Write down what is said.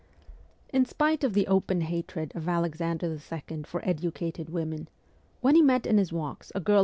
In spite of the open hatred of Alexander II. for educated women when he met in his walks a girl ST.